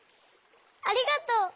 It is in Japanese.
ありがとう！